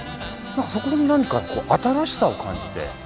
そこに何か新しさを感じて。